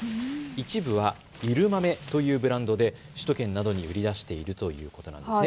一部はいるまめというブランドで、首都圏などに売り出しているということなんですね。